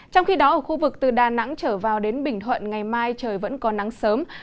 trong khi đó ở khu vực từ đà nẵng trở vào đến bình thuận ngày mai trời vẫn có nắng sớm